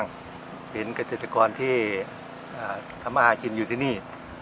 เงยวเชัดกรที่ทำอาชีพอยู่ที่นี่